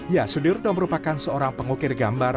ya sudirno merupakan seorang pengukir gambar